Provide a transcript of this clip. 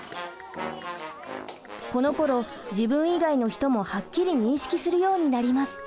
このころ自分以外の人もはっきり認識するようになります。